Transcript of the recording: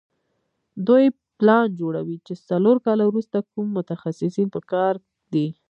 دوی پلان جوړوي چې څلور کاله وروسته کوم متخصصین په کار دي.